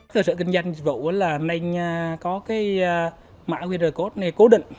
cơ sở kinh doanh dịch vụ là nên có mã qr cố định